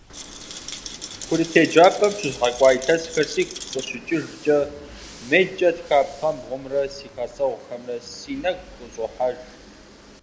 Курыт еджапӏэм щызгъэкӏуа илъэсхэр сигу къыщыкӀыжкӀэ, мелкӀэ тха пхъэбгъумрэ, си классэгъухэмрэ си нэгу къыщӏохьэж.